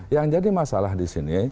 yang jadi masalah di sini